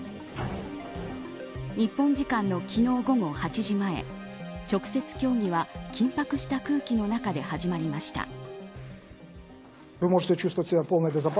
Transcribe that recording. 日本時間の昨日、午後８時前直接協議は、緊迫した空気の中で始まりました。